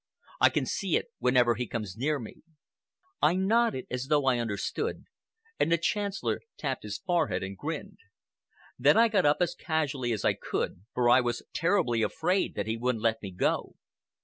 I can see it whenever he comes near me.' I nodded as though I understood and the Chancellor tapped his forehead and grinned. Then I got up as casually as I could, for I was terribly afraid that he wouldn't let me go.